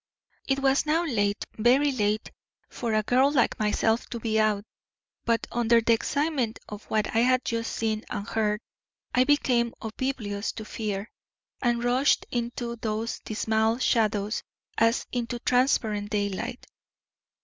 "It was now late, very late, for a girl like myself to be out, but, under the excitement of what I had just seen and heard, I became oblivious to fear, and rushed into those dismal shadows as into transparent daylight.